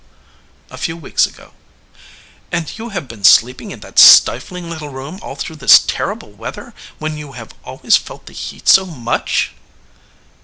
"A few weeks ago." "And you have been sleeping in that stifling little room all through this terrible weather, when you have always felt the heat so much?"